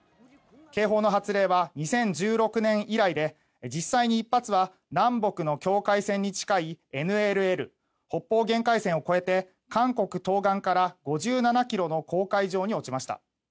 警報発令は２０１６年以来で実際に１発は南北の境界線に近いＮＬＬ・北方限界線を越えて韓国東岸から５７ｋｍの公海上に落ちました。